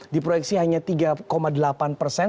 di proyeksi hanya tiga delapan persen